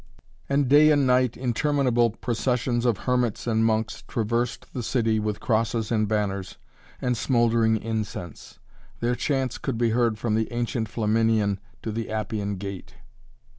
And day and night interminable processions of hermits and monks traversed the city with crosses and banners and smouldering incense. Their chants could be heard from the ancient Flaminian to the Appian Gate.